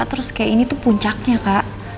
terus kayak ini tuh puncaknya kak